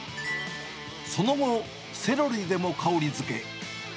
その後、セロリでも香りづけ。